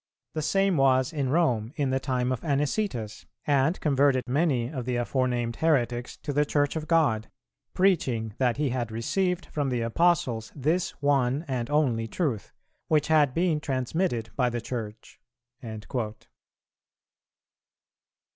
The same was in Rome in the time of Anicetus, and converted many of the aforenamed heretics to the Church of God, preaching that he had received from the Apostles this one and only truth, which had been transmitted by the Church."[349:1] 4.